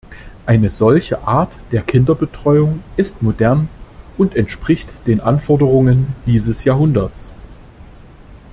Eine solche Art der Kinderbetreuung ist modern und entspricht den Anforderungen dieses Jahrhunderts.